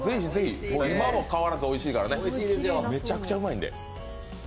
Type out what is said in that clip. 今も変わらずおいしいからね、めちゃくちゃうまいんで。